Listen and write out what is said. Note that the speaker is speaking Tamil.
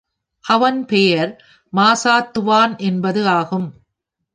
அவன் பெயர் மாசாத்துவான் என்பது ஆகும்.